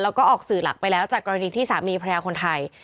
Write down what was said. แล้วก็ออกสื่อหลักไปแล้วจากกรณีที่สามีภรรยาคนไทย